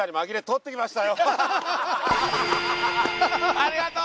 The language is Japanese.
ありがとう。